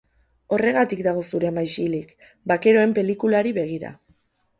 Horregatik dago zure ama isilik, bakeroen pelikulari begira.